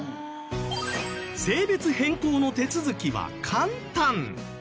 性別変更の手続きは簡単。